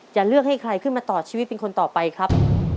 จะเลือกให้ใครขึ้นมาต่อชีวิตเป็นคนต่อไปครับ